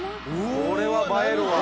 これは映えるわ。